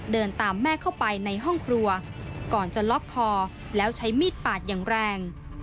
เดินตามแม่เข้าไปในห้องครัวก่อนจะล็อกคอแล้วใช้มีดปาดอย่างแรง